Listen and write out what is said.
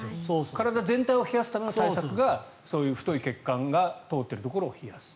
体全体を冷やすための対策が太い血管が通っているところを冷やす。